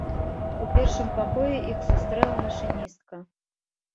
У першым пакоі іх сустрэла машыністка.